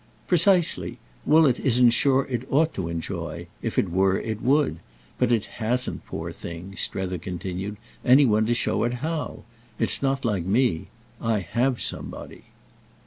"Precisely. Woollett isn't sure it ought to enjoy. If it were it would. But it hasn't, poor thing," Strether continued, "any one to show it how. It's not like me. I have somebody."